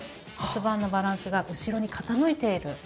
骨盤のバランスが後ろに傾いている。